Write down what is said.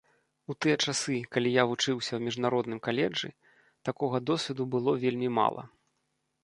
У тыя часы, калі я вучыўся ў міжнародным каледжы, такога досведу было вельмі мала.